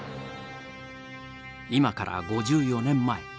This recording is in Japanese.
今から５４年前。